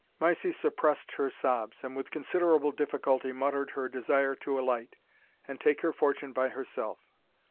Mysie suppressed her sobs, and with considerable difficulty muttered her desire to alight, and take her fortune by herself.